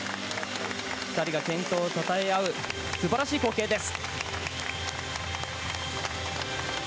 ２人が健闘をたたえ合う素晴らしい光景です。